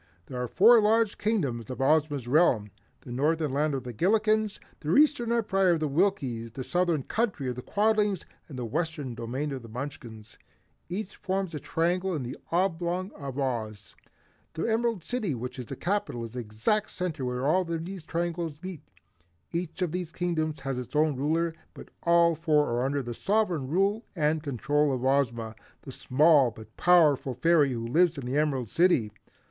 There are four large Kingdoms in Ozma's realm, the Northern Land of the Gillikens, the Eastern Empire of the Winkies, the Southern Country of the Quadlings and the Western domain of the Munchkins. Each forms a triangle in the oblong of Oz. The Emerald City which is the capital, is in the exact center where all these triangles meet. Each of these Kingdoms has its own ruler, but all four are under the sovereign rule and control of Ozma, the small but powerful fairy who lives in the Emerald City.